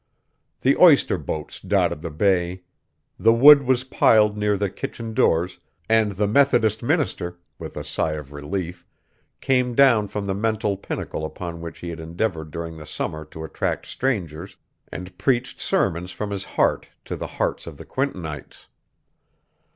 The oyster boats dotted the bay. The wood was piled near the kitchen doors, and the Methodist minister, with a sigh of relief, came down from the mental pinnacle upon which he had endeavored during the summer to attract strangers, and preached sermons from his heart to the hearts of the Quintonites.